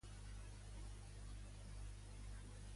Afirma que Earnest ha estat autor d'altres incidents?